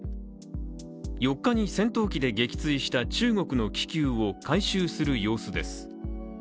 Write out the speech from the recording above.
４日に戦闘機で撃墜した中国の気球を回収する様子です。